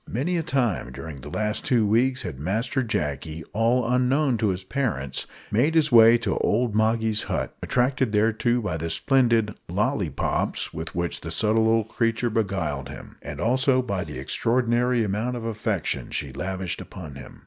Many a time during the last two weeks had Master Jacky, all unknown to his parents, made his way to old Moggy's hut attracted thereto by the splendid "lollipops" with which the subtle old creature beguiled him, and also by the extraordinary amount of affection she lavished upon him.